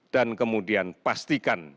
dan kemudian pastikan